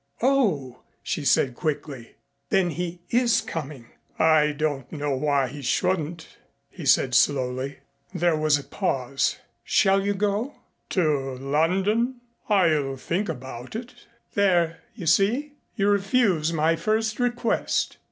"Oh," she said quickly, "then he is coming?" "I don't know why he shouldn't," he said slowly. There was a pause. "Shall you go?" "To London? I'll think about it." "There! You see? You refuse my first request."